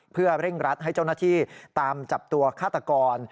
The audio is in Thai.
เพื่อเร่งรัดให้เจ้าหน้าที่ตามจับตัวฆาตกร